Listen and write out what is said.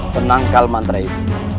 penangkal mantra itu